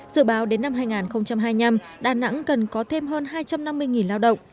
dự báo đến năm hai nghìn hai mươi năm đà nẵng cần có thêm hơn hai trăm năm mươi lao động